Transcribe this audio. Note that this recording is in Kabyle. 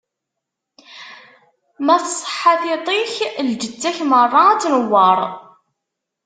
Ma tṣeḥḥa tiṭ-ik, lǧetta-k meṛṛa ad tnewweṛ.